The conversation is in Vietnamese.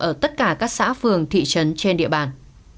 ở tất cả các xã phường thị trấn trên địa bàn